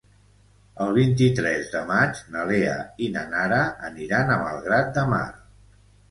El vint-i-tres de maig na Lea i na Nara aniran a Malgrat de Mar.